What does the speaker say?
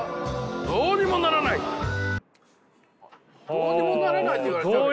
どうにもならないって言われちゃったね。